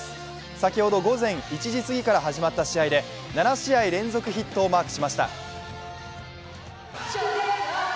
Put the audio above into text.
先ほど午前１時過ぎから始まった試合で７試合連続ヒットをマークしました